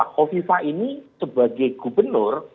hovifa ini sebagai gubernur